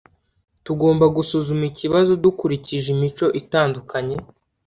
Tugomba gusuzuma ikibazo dukurikije imico itandukanye.